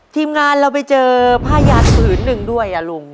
ทีมงานเราไปเจอผ้ายันผืนหนึ่งด้วยอ่ะลุง